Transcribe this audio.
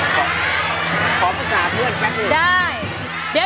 ขอปรึกษาเพื่อนแป๊บหนึ่งได้